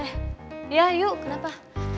eh iya yuk kenapa